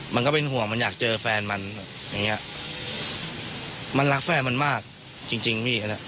มันก็เป็นห่วงมันอยากเจอแฟนมันแบบอย่างเงี้ยมันรักแฟนมันมากจริงจริงพี่